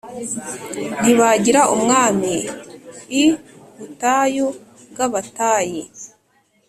ntibagira ubwami i butayi bw’abatayi,